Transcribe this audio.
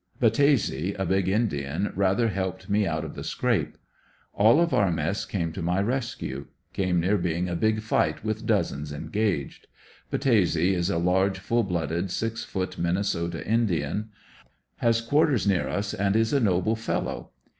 Battese, a big Indian, rather helped me out of the scrape. All of our mess came to my rescue. Came near being a big fight with dozens engaged. Battese is a large full blooded six foot Minnesota Indian, has quarters near is, and is a noble fellow.